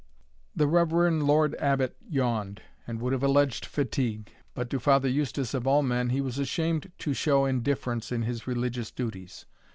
The reverend Lord Abbot yawned, and would have alleged fatigue; but to Father Eustace, of all men, he was ashamed to show indifference in his religious duties.